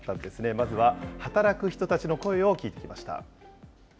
まずは働く人たちの声を聞いてきました。